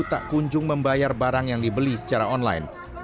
tak kunjung membayar barang yang dibeli secara online